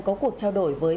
có cuộc trao đổi với